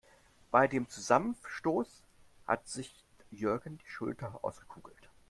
Bei dem Zusammenstoß hat sich Jürgen die Schulter ausgekugelt.